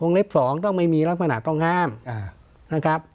เล็บ๒ต้องไม่มีลักษณะต้องห้ามนะครับ